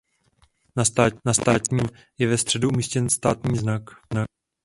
Na státní vlajce je ve středu umístěn státní znak.